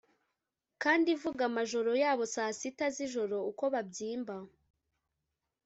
kandi vuga amajoro yabo ya saa sita z'ijoro uko babyimba;